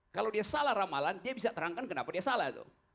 kalau dia salah ramalan dia bisa terangkan kenapa dia salah tuh